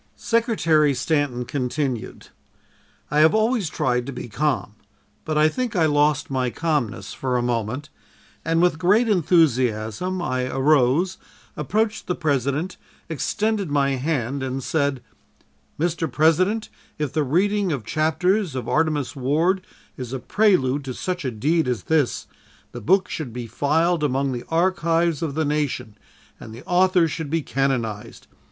Secretary Stanton continued: "I have always tried to be calm, but I think I lost my calmness for a moment, and with great enthusiasm I arose, approached the President, extended my hand and said: "'Mr. President, if the reading of chapters of "Artemus Ward" is a prelude to such a deed as this, the book should be filed among the archives of the nation, and the author should be canonized.